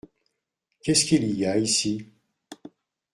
Qu’est-ce qu’il y a ici ?